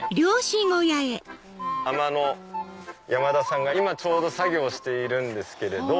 海士の山田さんがちょうど作業してるんですけど。